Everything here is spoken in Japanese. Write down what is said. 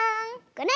これ！